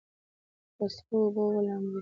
په سړو اوبو ولامبئ.